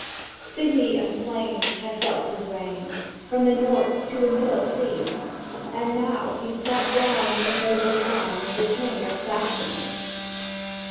"City and plain had felt his reign From the North to the Middle Sea, And he'd now sat down in the noble town Of the King of Saxony.